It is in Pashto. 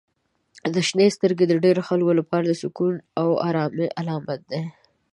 • شنې سترګې د ډیری خلکو لپاره د سکون او آرامۍ علامت دي.